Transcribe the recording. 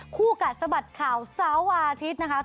กัดสะบัดข่าวเสาร์อาทิตย์นะคะ